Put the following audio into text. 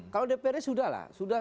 kalau dprd sudah lah